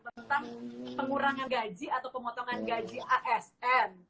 tentang pengurangan gaji atau pemotongan gaji asn